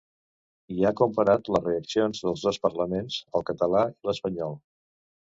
I ha comparat les reaccions dels dos parlaments, el català i l’espanyol.